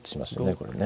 これね。